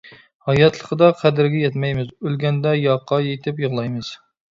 ھاياتلىقىدا قەدرىگە يەتمەيمىز، ئۆلگەندە ياقا يىتىپ يىغلايمىز.